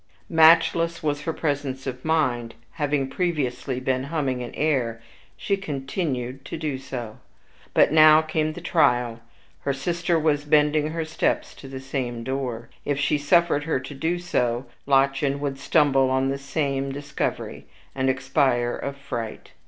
Matchless was her presence of mind; having previously been humming an air, she continued to do so. But now came the trial; her sister was bending her steps to the same closet. If she suffered her to do so, Lottchen would stumble on the same discovery, and expire of fright.